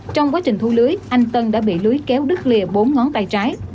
trong quá trình thu lưới anh tân đã bị lưới kéo đứt lìa bốn ngón tay trái